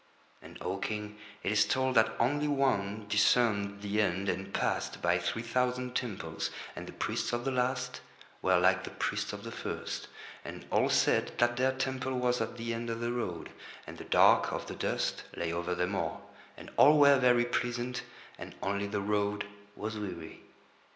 And, O King, it is told that only one discerned the end and passed by three thousand temples, and the priests of the last were like the priests of the first, and all said that their temple was at the end of the road, and the dark of the dust lay over them all, and all were very pleasant and only the road was weary.